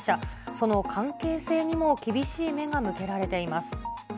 その関係性にも、厳しい目が向けられています。